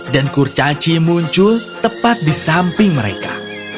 dan kurcaci muncul tepat di samping mereka